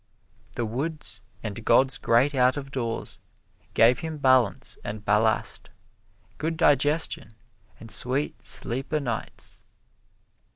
The woods and God's great out of doors gave him balance and ballast, good digestion and sweet sleep o' nights.